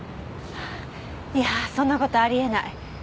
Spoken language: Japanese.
いやそんな事あり得ない。